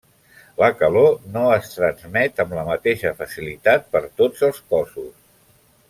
La calor no es transmet amb la mateixa facilitat per tots els cossos.